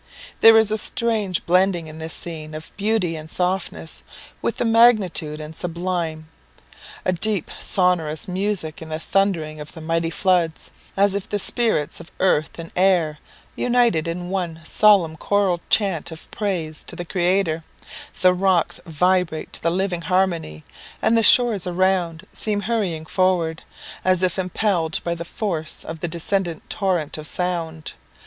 There is a strange blending, in this scene, of beauty and softness with the magnificent and the sublime: a deep sonorous music in the thundering of the mighty floods, as if the spirits of earth and air united in one solemn choral chant of praise to the Creator; the rocks vibrate to the living harmony, and the shores around seem hurrying forward, as if impelled by the force of the descending torrent of sound.